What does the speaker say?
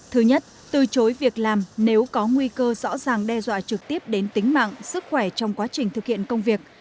thứ nhất từ chối việc làm nếu có nguy cơ rõ ràng đe dọa trực tiếp đến tính mạng sức khỏe trong quá trình thực hiện công việc